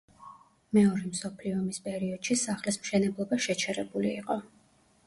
მეორე მსოფლიო ომის პერიოდში სახლის მშენებლობა შეჩერებული იყო.